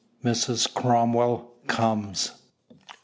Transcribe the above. MRS. CROMWELL COMES.